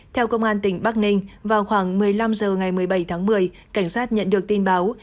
theo công an tỉnh bắc ninh vào khoảng một mươi năm h ngày một mươi bảy tháng một mươi cảnh sát nhận được tin báo